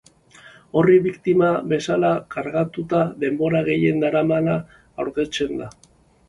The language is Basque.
Orri biktima bezala kargatuta denbora gehien daramana aukeratzen da.